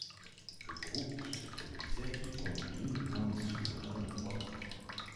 Le groupe se produisait y compris devant les souverains d'Europe.